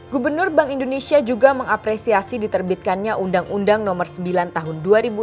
gubernur bank indonesia juga mengapresiasi diterbitkannya undang undang nomor sembilan tahun dua ribu enam belas